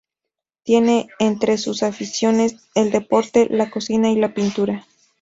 Tiene entre sus aficiones el deporte, la cocina y la pintura.